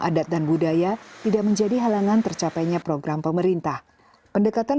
adat dan budaya tidak menjadi halangan tercapainya program pemerintah pendekatan